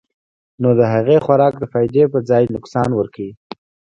نو د هغې خوراک د فائدې پۀ ځائے نقصان ورکوي -